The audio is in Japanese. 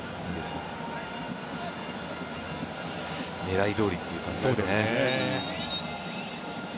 狙いどおりという感じですね。